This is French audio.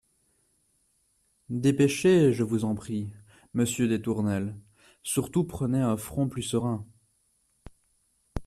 Dépêchez, je vous en prie, monsieur des Tournelles ; surtout prenez un front plus serein.